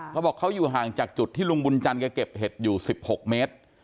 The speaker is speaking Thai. เขาบอกเขาอยู่ห่างจากจุดที่ลุงบุญจันทร์แกเก็บเห็ดอยู่๑๖เมตร